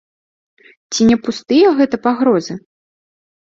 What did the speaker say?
Ці не пустыя гэта пагрозы?